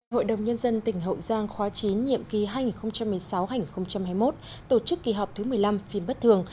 hội đồng nhân dân tỉnh hậu giang khóa chín nhiệm kỳ hai nghìn một mươi sáu hai nghìn hai mươi một tổ chức kỳ họp thứ một mươi năm phiên bất thường